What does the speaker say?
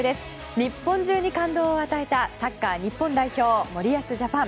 日本中に感動を与えたサッカー日本代表森保ジャパン。